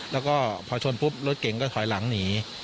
แล้วก็พอชนปุ๊บรถเก่งก็ถอยหลังหนี